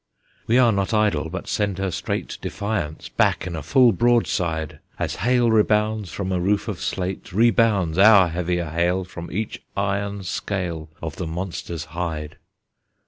We are not idle, but send her straight Defiance back in a full broadside! As hail rebounds from a roof of slate, Rebounds our heavier hail From each iron scale Of the monster's hide.